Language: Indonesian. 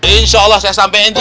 insya allah saya sampein ji